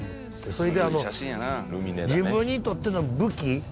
それで自分にとっての武器